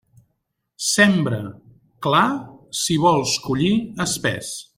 Sembra clar si vols collir espés.